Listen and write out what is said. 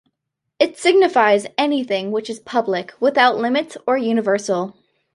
It signifies anything which is public, without limits, or universal.